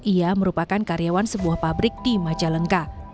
ia merupakan karyawan sebuah pabrik di majalengka